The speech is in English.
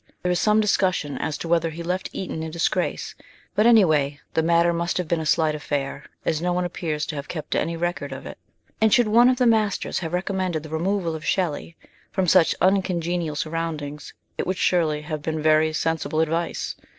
There is some discussion as to whether he left Eton in disgrace, but any way the matter must have been a slight affair, as no one appears to have kept any record of it ; and should one of the masters have recommended the removal of Shelley from such uncongenial surroundings, it would surely have been very sensible advice.